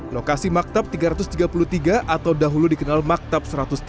lokasi maktab tiga ratus tiga puluh tiga atau dahulu dikenal maktab satu ratus tiga puluh